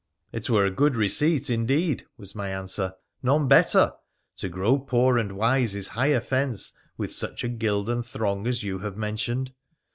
' It were a good receipt, indeed,' was my answer :' none better ! To grow poor and wise is high offence with such a gilden throng as you have mentioned.